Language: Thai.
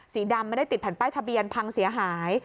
สีดำไม่ได้ติดแผ่นป้ายทะเบียนพังเสียหาย